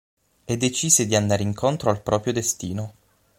E decise di andare incontro al proprio destino.